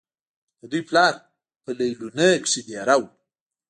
د دوي پلار پۀ ليلونۍ کښې دېره وو